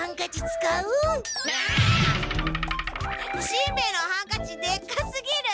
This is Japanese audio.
しんべヱのハンカチでっかすぎる！